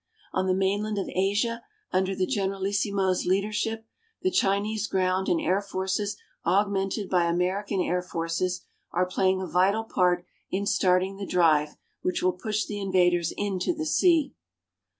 On the mainland of Asia, under the Generalissimo's leadership, the Chinese ground and air forces augmented by American air forces are playing a vital part in starting the drive which will push the invaders into the sea.